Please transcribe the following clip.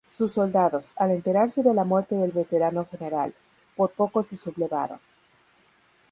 Sus soldados, al enterarse de la muerte del veterano general, por poco se sublevaron.